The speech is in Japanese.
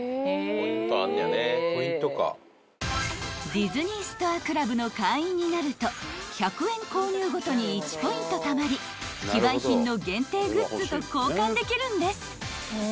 ［ディズニーストアクラブの会員になると１００円購入ごとに１ポイントたまり非売品の限定グッズと交換できるんです］